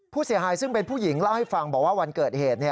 ผู้เสียหายซึ่งเป็นผู้หญิงเล่าให้ฟังบอกว่าวันเกิดเหตุ